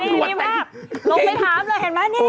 ลงไปพับเลยเห็นไหมนี่